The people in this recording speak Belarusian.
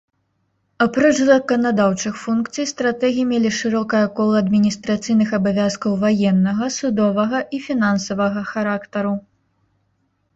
Апроч заканадаўчых функцый, стратэгі мелі шырокае кола адміністрацыйных абавязкаў ваеннага, судовага і фінансавага характару.